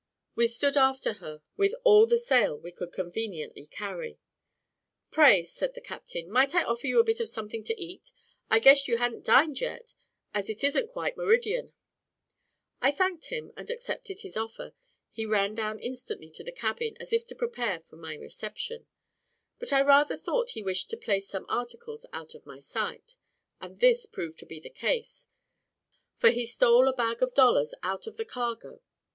We stood after her with all the sail we could conveniently carry. "Pray," said the captain, "might I offer you a bit of something to eat? I guess you ha'n't dined yet, as it isn't quite meridian." I thanked him, and accepted his offer: he ran down instantly to the cabin, as if to prepare for my reception; but I rather thought he wished to place some articles out of my sight, and this proved to be the case, for he stole a bag of dollars out of the cargo.